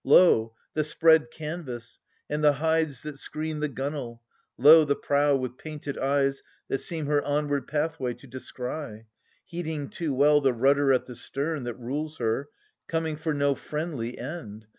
Lo, the spread canvas and the hides that screen The gunwale ; lo the prow, with painted eyes That seem her onward pathway to descry, Heeding too well the rudder at the stern That rules her, coming for no friendly end.